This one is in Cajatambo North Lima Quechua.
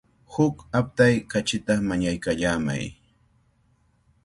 Huk aptay kachita mañaykallamay.